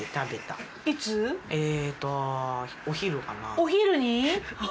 お昼に？